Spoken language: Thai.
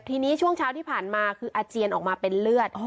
ทีนี้ช่วงเช้าที่ผ่านมาคืออาเจียนออกมาเป็นเลือด